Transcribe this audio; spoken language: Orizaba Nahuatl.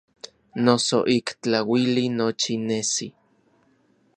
Noso ik tlauili nochi nesi.